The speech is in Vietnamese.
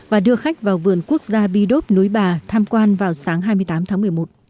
và đưa khách vào vườn quốc gia bi đốp núi bà tham quan vào sáng hai mươi tám tháng một mươi một